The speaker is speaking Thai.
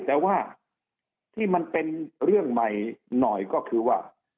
แต่ว่าที่มันเป็นเรื่องใหม่หน่อยก็คือว่า